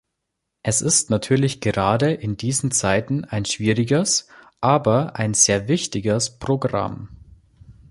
Es ist natürlich gerade in diesen Zeiten ein schwieriges, aber ein sehr wichtiges Programm.